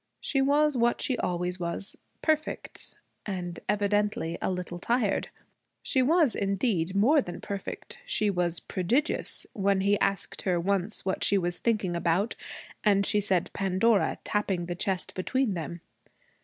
She was what she always was, perfect and evidently a little tired. She was indeed more than perfect, she was prodigious, when he asked her once what she was thinking about and she said Pandora, tapping the chest between them.